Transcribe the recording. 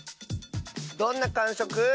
どんなかんしょく？